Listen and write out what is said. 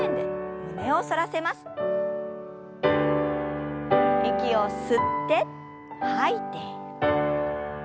息を吸って吐いて。